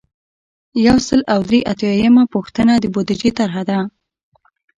یو سل او درې اتیایمه پوښتنه د بودیجې طرحه ده.